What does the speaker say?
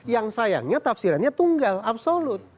yang sayangnya tafsirannya tunggal absolut